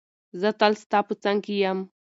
زه تل ستا په څنګ کې یم.